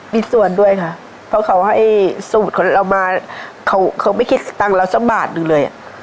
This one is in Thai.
มีส่วนด้วยค่ะเพราะเขาให้สูตรของเรามาเขาไม่คิดสตังค์เราสักบาทหนึ่งเลยอ่ะ